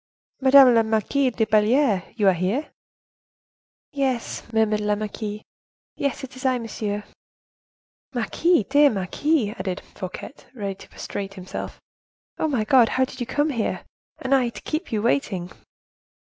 "Madame la Marquise de Belliere, you here?" "Yes," murmured la marquise. "Yes; it is I, monsieur." "Marquise! dear marquise!" added Fouquet, ready to prostrate himself. "Ah! my God! how did you come here? And I, to keep you waiting!"